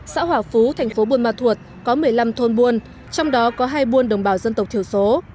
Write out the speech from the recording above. xã hòa phú thành phố buôn ma thuột có một mươi năm thôn buôn trong đó có hai buôn đồng bào dân tộc thiểu số